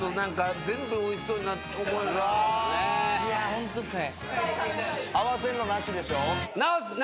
ホントっすね。